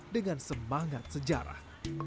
dengan semangat sejarah